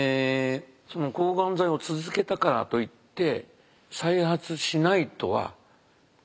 抗がん剤を続けたからといって再発しないとはこれは約束できない。